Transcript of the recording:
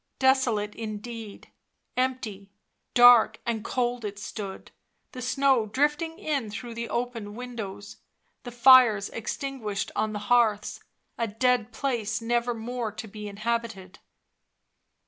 Desolate indeed; empty, dark and cold it stood, the snow drifting in through the open windows, the fires extinguished on the hearths, a dead place never more to be inhabited.